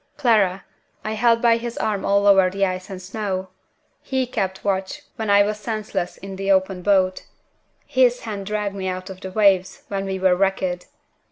Clara, I held by his arm all over the ice and snow. He kept watch when I was senseless in the open boat. His hand dragged me out of the waves when we were wrecked.